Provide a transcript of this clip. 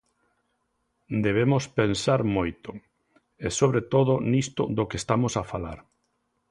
Debemos pensar moito, e sobre todo nisto do que estamos a falar.